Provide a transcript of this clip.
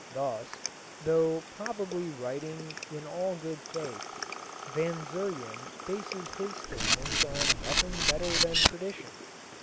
Thus, though probably writing in all good faith, Van Zuyren bases his statements on nothing better than tradition.